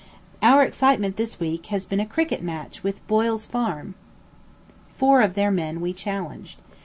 Our excitement this week has been a cricket match with Boyle's Farm; four of their men we challenged.